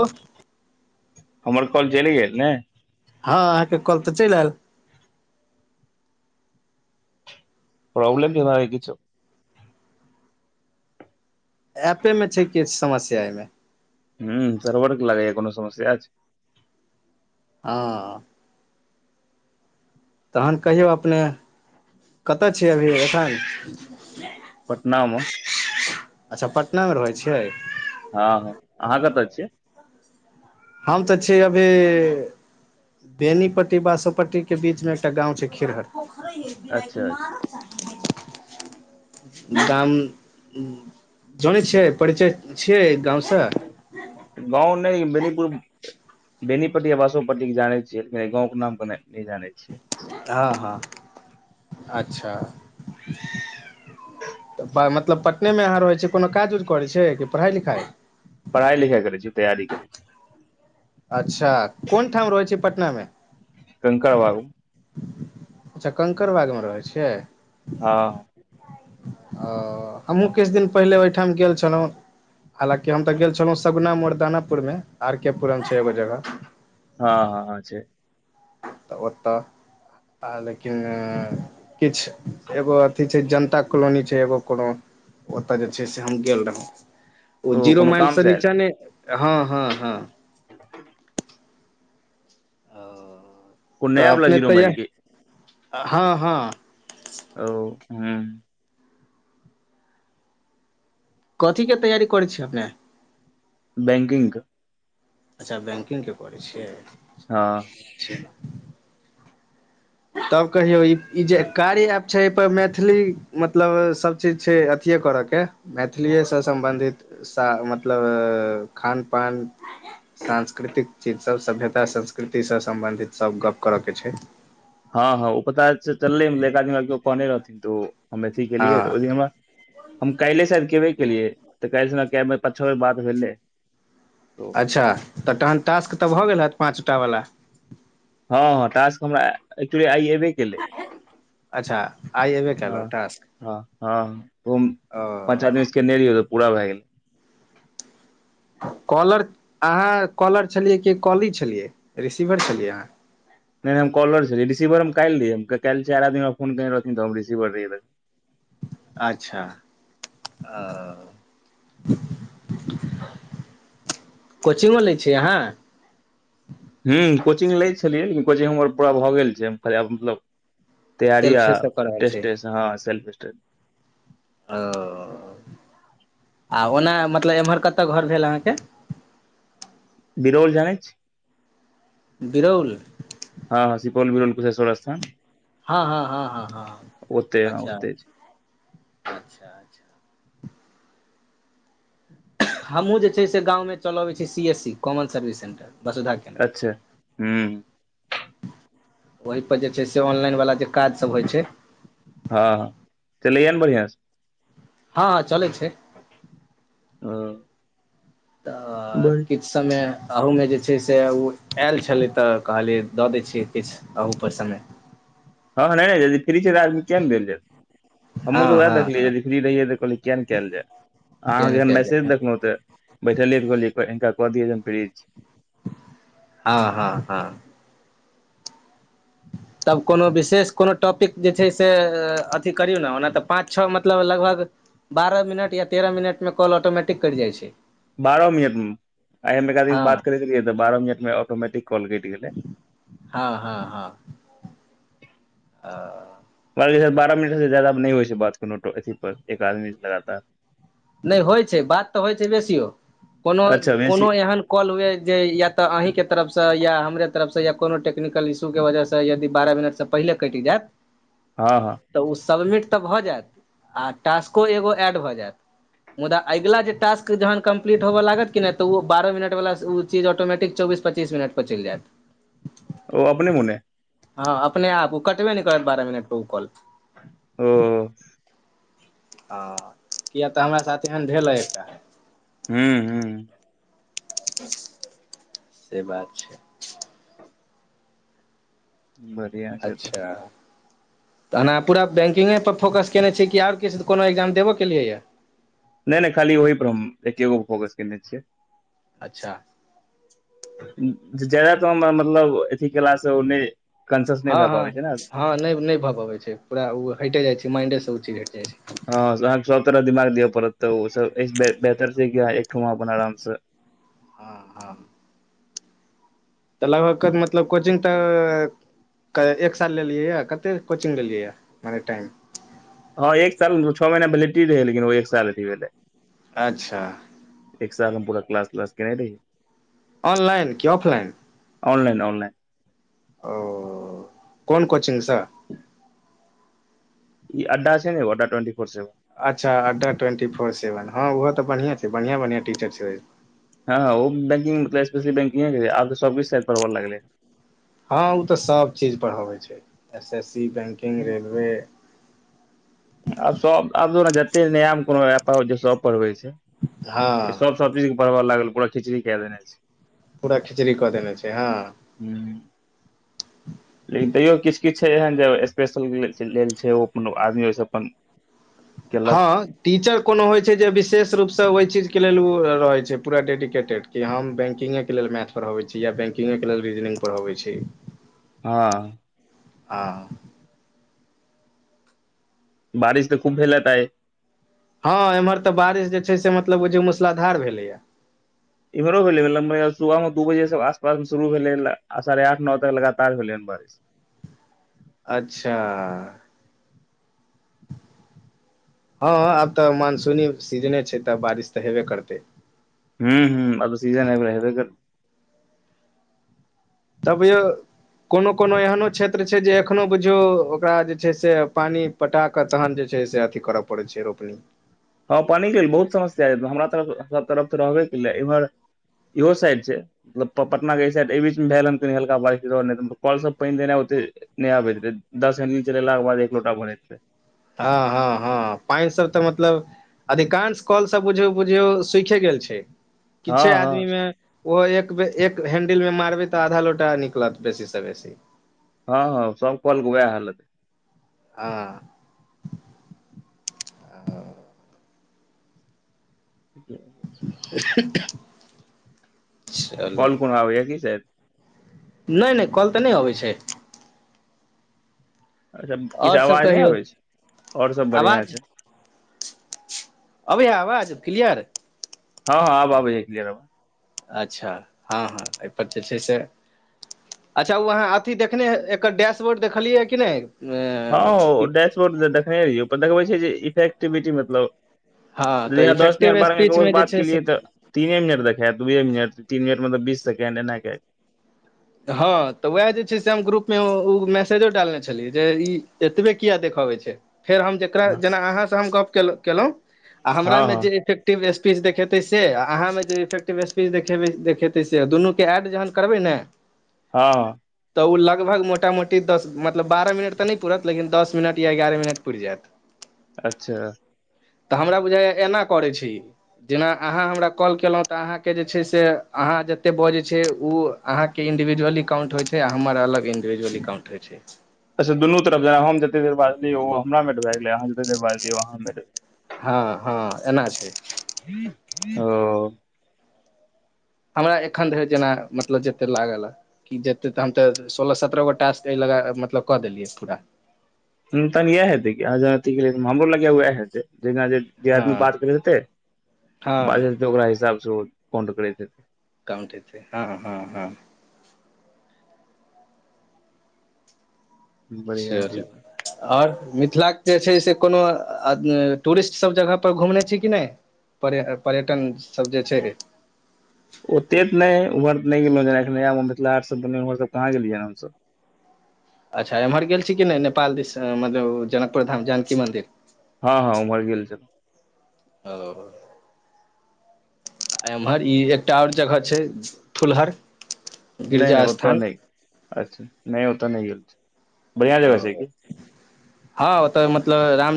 ओ। हमर कॉल चलि गेल न हँ अहाँकेँ कॉल तऽ चलि आयल प्रोब्लम जे छौ एऐपे मे छै किछु समस्या एहिमे सरवरक लागै य कोनो समस्या छै ह तहन कहियौ अपने कतय छियै अभी एखन। पटना मे। अच्छा पटना मे रहै छियै हँ अहाँ कतऽ छियै हम तऽ छी अभी। बेनीपट्टी बासोपट्टी के बीच मे एकटा गाव छै खिरहर अच्छा [inaudible] गाम जानै छियै परिचय छियै गाव से गाव नहि बेनीपुर बेनीपट्टी आ बासोपट्टी जानै छियै लेकिन एहि गाव के नाम क नहि जानै छियै हँ ह अच्छा तऽ मतलब पटने मे अहाँ रहैतिय कोनो काज उज करैत छै कि पढ़ाई लिखाई पढ़ाई लिखाई करै छै तयी करे छी। अच्छा कोन ठाम रहैत छै पटना मे कंकण बग अच्छा कंकड़बाग मे रहै छियै ह ओ हमहूँ किछु दिन पहिले ओहिठा मे गेल छलहुँ हालाँकि हम तऽ गेल छलहूँ सगना मुुरदानापुर मे आर के पुरम छै एगो जगह हँँ छै तऽ ओत लेकिन किछु एगो अथि छै जनता कलोनी छै एगो कोनो ओतय जे छै से हम गेल रहौ ओ जीरो कोनो माइल काम से आयल नीचा ने हँ हँ [inaudible] कोनो नया तऽ वाला अपने जीरो तऽ माइल की इएह हँ ओह कथी के तैयारी करै छियै अपने बैंकिग अच्छा बैंकिग के करै छियै हँ चलू बढ़िआ छै तब कहियौ ई जे कारी आप छै एहिपर मैथिली मतलब सभ चीज छै अथि करऽ के मैथिलिएसँ सम्बन्धित मतलब खान पान सांस्कृतिक चीज सभ सभ्यता संस्कृतिसँ सम्बन्धित सभ गप करय के छै ह हँ ओ पता चलले एक आदमी के कहने रहथिन तऽ हम अथि गेलियै हँ ओलिय हमरा हम काल्हि सँ केबे केलियै तऽ काल्हि कै पा छै बेर बात भेलै अच्छा तऽ तहन टास्क तऽ भऽ गेल होत पाँचटा वला ह ह टास्क हमरा एक्चुली आइ एबे केलै अच्छा आइ अयबे कयलहुँ टास्क ह हँ ओ ओ पचातमिनस पूरा भए गेल। कॉलर अहाँ कॉलर छलियै कि कॉली छलियै रिसीवर छलियै अहा नहि हम कॉलर छले रिसिवर हम काल्हि हम काल्हि चार आ दिन फोनने रहथिन तऽ हम रसिवर रहहि अच्छा ओ। कोचिगो लै छिय अहाँ हूँ कोचिग लै छलियै लेकिन कोचिग हमर पूरा भऽ गेल छै मतलब तैयारी आ सेल्फेसँ कऽ रहल छी टसहँफ आ ओना मतलब एम्हर कतऽ घर भेल अहाँकेँ बिरल जै छी। बिरल। ह हँ सुपौल मीरलनकुश सोड़ स्था हँ हँ हँ ओते हँ अच्छा ओते छै अच्छा अच हमहूँ जे छै से गावमे चलऽ बैत छी C S C common service centre बसे धाक के अच्छा हूँ ओहि पर जे छै से ऑनलाइन वाला जे काज सभ होइ छै हँ हँ चलैय ने बढ़िआ से हँ चलै छै ह तऽ कऽ ओ समय अहूमे जे छै से ओ आयल छलै त कहलियै दऽ दै छियै किछु आप समय। हँ नहि नहि यद फ्री छै तऽ आदमी केम देल जाब हमहू हँ तऽएह हँ देखलियै हँ रहियै त कहलै किया नहि कयल जाय किया अहाँकेँ नहि जखन कयल मैसेज जाय देखलहुँ तऽ बैठलिय कहियै हिनका कऽ दियैन फ्रिज आ हँ हँ तब कोनो विशेष कोनो टॉपिक जे छै से अथि करियौ ने ओना तऽ पाँच छओ मतलब मतलब लगभग बारह मिनट या तेरह मिनट मे कॉल ऑटोमेटि कऽ करटि जाइ छै बारह मिनट मे आक हँ बात कर रहि तऽ बारह मिनट मे ऑटोमटि कऽ कॉल ग हँ हँ बारह मिनट जादाा नहि होइ छै बात कोनो अी पर एक आदमी लगातार नहि होइ छै बात त होइ छै बेसियो कोनो अच्छा बेसी कोनो एहन कॉल हुए जे या तऽ अहीके तरफसँ या हमे तरफसँ या कोनो टेक्निकल इश्यू के वजहसँ यदि बारह मिनटसँ पहिले कटि जायत। ह ह त ओ सबमिट तऽ भऽ जायत आ टास्को एगो एड भऽ जायत मुदा अगिला जे टास् जन कम्पलीट होबऽ लत कि नहि तऽ ओ बारह मिनट वला चीज ऑटोमेटिकऽ चौबीस पच्चीस मिनट चलि जायत ओ अपने मने। ह अपने आप ओ कटबे नहि करत बारह मिनट पर ओ कॉल औ ह किया तऽ हमरा साथ एहन भेलढ हैं एकटा हू। से बात छै। बढ़िआ। अच्छा। तऽ एना पूरा बैकिगे परर फोकस केने छी कि आर किछु कोनो एग्जाम देबो केलियएऽ नहि नहि खाली ओहि पर हम एकेगो पर फोकस केने छियै। अच्छा। जादा तऽ हमरा मतलब अथि केलासँ ओने हँ हँ नहि नहि भऽ पबैत छै पूरा ओ हटिए जाइ छै माइंडेसँ ओ चीज हटि जाइ छै हँ अहाँकेँ सभ तरह दिमाग दिआ पड़त तऽ ओ बेहतर छै अपन आराम से ह ह तऽ लगभग के मतलब कोचिग तऽ एक साल लेलिए यऽ कते कोचिङ्ग लेलिए य मने टाइम हँ एक साल छओ महीना पहिटी रहै लेकिन ओ एक साल रही भेलहिे अच्छा। एक साल हम पूरा क्स त्लास केने रह ऑनलाइन कि ऑफलाइन ऑनलाइन ऑनलाइन ओ कोन कोचिगसँ अड्डा छै ने ओड्डाटेंट फोर सेवन अच्छा अड्ाट्वेन्टी फोर सेवन हँ ओहो तऽ बढ़िआँ छै बढ़िआँ बढ़िआँ टीचर छै हँ हँ ओ बैंिंग मतल्पी बैंिंगे आब सब सा परढ़ब लगलै हँ ओ तऽ सब चीज पढ़बै छै S S C banking railway आब सब आब ने जते नया कोनो सब पढ़बै छै हँ सब सब चीज के बढ़बऽ लागल पूरा खिचड़ी कए देने छै पूरा खिचड़ी कऽ देने छै हँ हू [inaudible] लेकिन तैयो किछु किछु छै एहन जे स्पेशल लेल छै ओ अपन आदमी ओहिसँ अपन केलक हँ टीचर कोनो होइत छै जे विशेष रूपसँ ओहि चीजके लेल ओ रहै छै पूरा डेडिकेटेड कि हम बैंकिंगेके लेल मैथ पढ़बैत छी या बैंि्गके लेल रीजनिङंग पढ़बैत छी हँ आ बारिश तऽ खूब भेललतै हँ एम्हर तऽ बारिश जे छै से मतलब बझ मूसलाधार भेलैया इम्हरो भेलै लम्ब सुबहमे दू बजे से आसपास मे शुरू भेलै आ साढ़े आठ नओ तक लगातार भेलै हन बारिश अच्छा हँ आब तऽ मानसूनी सीजने छै तऽ बारिश तऽ हेबे करतै हूँ हँ अ त सीजन अबै ह तबौ कोनो कोनो एहनो क्षेत्र छै जे एखनो बुझियौ ओकरा जे छै से पानि पटा कऽ तहन जे छै से अथी करय पड़ैत छै रोपनी हँ पानि के लेल बहुत समस्या हमरा तरफ तरफ तऽ रहबे के लेल एम्हर इहो साइड छै मतलब पटना के एहि साइड एहि बीच मे भेल हन कनि हल्क बारिश दौ कल सब पानि देनाइ ओते नै आबैत दैत दस दिन चलेलाक के बाद एक लोटा बनैत रहै हँ हँ हँ पानि सब तऽ मतलब अधिकांश कॉल सब बुझियौ बुझियौ सुखे गेल छै किछे हँ हँ आदमी मे ओहो एक बेर एक हैंडिल मे मारबै तऽ आधा लोटा निकलत बेसीसँ बेसी हँ हँ स कल के उएह हालत आ ह [inaudible] चलू कॉल कोनो आबैएा की से नै नै कल तऽ नहि अबैत छै अच्छा आओर किछु सब आवाज नहि कहियौ आबै छै और सब बढ़िियां छै अबै है आवाज क्लियर हँ आबैय क्लियर अच्छा हँ हँ एहिपर जे छै से अच्छा ओ अहाँ अथी देखने ह एकर डैशबोर्ड देखलियै कि नहि अ हँ डैशबोर्ड देखने रहियै ओ देखबै छै जे इफेक्टिविटी मतलब हँ तऽ जेना दसमे इफेक्टिव बारहमे ओस स्पीचमे जे बात छै के से लए तऽ तीने मिनट देखात दूए मिनट तीन मिनट मतलबीस सेकेंड एना के हँ तऽ उएह जे छै से हम ग्रुपमे ओ मैसेजो डालने छलियै जे ई एतबे कििया देखबैत छै फेर हम जेकरा हँ जेना अहाँ से हम गप केलहुँं आ हमरा हँ मे हँ जेेक एक्टिव स्पीच देखेतै से आ अहाँ मे जे इफेक्टिव स्पीच देख देखेतै से दुनूके जहन करबै ने ह तऽ ओ लगभग मोटा मोटी दस मतलब बारह मिनट त नहि पुरत लेकिन दस मिनट या एगारह मिनट पुरि जायत अच्छा। त हमरा बुझाइय एना करै छी जेना अहाँ हमरा कॉल केलहुँ तऽ अहाँकेँ जे छै से अहाँ जते बजैत छै ओ अहाँकेँ कि इन्डिविज अलकांट होइ छै आर अलग इन्डिविज अलकाउट होइ छै अच्छा दुनू तरफ जेना हम जते देर बाजलियै ओ हमरा मेट भए गेलै हाँ जते देर बाजलियै अहाँ मेट हँ एना छै ओ। हमरा एखन धरि जेना मतलब जते लागल हैं कि जेतै तऽ हम तऽ सोलह सत्रह गो टास्क लग मतलब क देलियै पूरा तन यह हेतै कि हमरो लगेा वएह हे जे आदमी हँ बात करैत हेतै हँ बाते। ओकरा हिसाब से ओ कउं करैत हेतै कमटी छै हँ हँ बढ़िआँ छै तऽ अच्छा आओर मिथिला के जे छै से कोनो टूरिस्ट सभ जगहपर घुमने छी कि नहि पर पर्यटन सभ जे छै ओते त नहि ऊर तऽ नहि गेलहुँ जेना एख मिथिला हर्टसभ बनऊर सभ कहाँ गेलियै हमसभ अच्छा एम्हर गेल छी कि नहि नेपाल दि मतलब जनकपुर धाम जानकि मन्दिर ह ह उमरि गेल छल ओ। एम्हर ई एकटा ओर जगह छै थुलहर नहि नहि ओतऽ नहि अच्छा नहि ओत नहि गेलल छै ओ। [inaudible] ह ओतऽ मतलब राम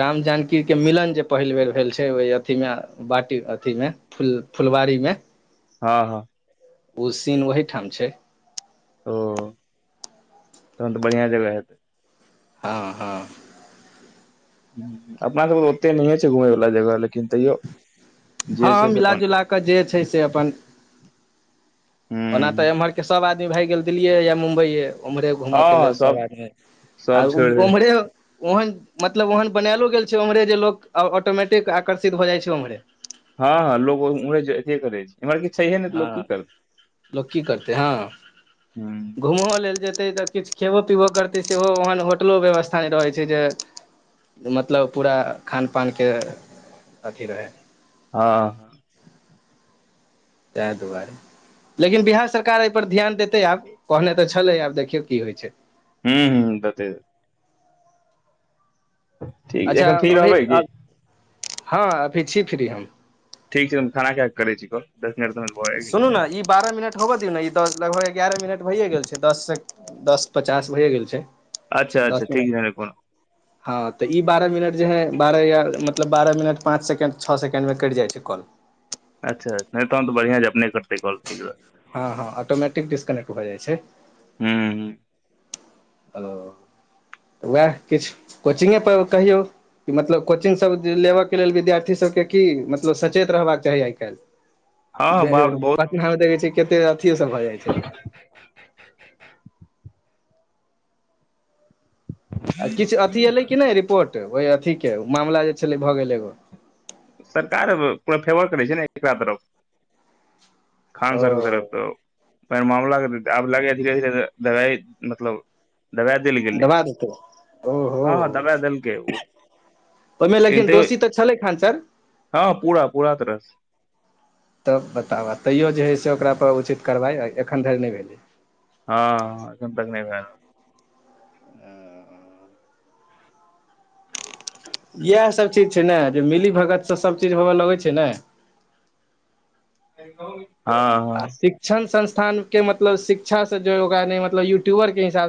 राम जानकि के मिलन जे पहिल बेर भेल छै ओहि अथीमे बाटी अथी मे फूल फुलवारी मे ह ह ओ सीन ओहठा मे छै ओ तहन तऽ बढ़िआ जगह हेतै ह ह अपना सभके त ओते नहि छै घुमय वला जगहेक हँ मिलाजुला कऽ जे छै से अपन हूँ ओना तऽ एम्हर के सभ आदमी भए गेल दिल्लिए या मुम्बइए ओम्हरे घूमऽ हँ के हँ लेल सभ सब आदमी आ सब छोड़ि देने ओम्हरे ओहन मतलब ओहन बनायलो गेल छै ओम्रे जे लो ऑटोमेटिकऽ आकर्षित भऽ जा छै ओम्हरे हँ लोक उे करे छै इम्हर कि छैहे ने तऽ लोक की हँ करतै घूमो लेलऽ जेतै तऽ किछु खेबो पीबो करतै सेहो ओहन होटलो व्यवस्था नहि रहैत छै जे मतलब पूरा खानपान के अथि रहै ह ताहि दुआरे। लेकिन बिहार सरकार एहि पर ध्यान देते आब कहने तऽ छले आब देखियौ कि होइ छै हू तते ठीक अच्छा एखन फ्री अभी रहबै की ह अभी छी फ्री हम ठीक छै तऽ हम खाना खा क कर छ छी दस मिनट भऽ जाइ सुनू ने इ बारह मिनट ऽ होबऽ दियौ ने ई लगभग एगारह मिनट भैए गेल छै दस से दस पचास भइए गेल छै। अच्छा अच्छा दस मिनट ठीक छै कोनो हँ तऽ ई बारह मिनट जे हइ बारह या मतलब बारह मिनट पाँच सेकेण्ड छओ सेकेण्ड मे कटि जाइ छै कॉल अच्छा नहि तहन तऽ बढ़िआ अपने करतै कल ठीक हँ हँ ऑटोमैटिकऽ डिस्कनेक्ट भऽ जाइ छै हू। ओ उएह किछु कोचिगे पर कहियौ कि मतलब कोचिंगसभ लेबयके लेल विद्यार्थी सभ के की मतलब सचेत रहबाक चाही आइ काल्हि हँ बाप रे बहुत पटना फ्रॉड मे चलै देखै छै। छियै कते अथि सभ भऽ जाइ छै आ किछ अथी एयलै कि नहि रिपोर्ट ओहि अथी के माला जे छलै भऽ गेल एगो सरकार पूरा फेवर करै छै न एकरा तरफ खान सरके तरफ ओ तऽ फर मामला कऽ आब लगै धीरे धीरे दबाइ मतलब दबा देल गेल ले दबा देतै ओहो ह दबा देलके ओ ओहिमे लेकिन दोषी त छलै खंसर हँ पुरा पुरा रस तब बताबऽ तैयो जे है से ओकरा पर उचित कार्रवाइ एखन धरि नहि भेलै ह अखन तक नहि भेल इएह सभ चीज छै ने जे मिली भगत से सभचीज होबय लगै छै न हँ ह क्षण संस्थान के मतलब शिक्षास से जो ओगा मतलब यूट्यूबर कऽ हिसाब से